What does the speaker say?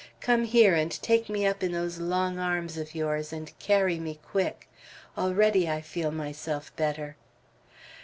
"Come here, and take me up in those long arms of yours, and carry me quick. Already I feel myself better."